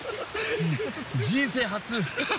人生初。